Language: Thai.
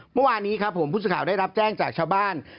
เมื่อวานนี้ครับผมผู้สื่อข่าวได้รับแจ้งจากชาวบ้าน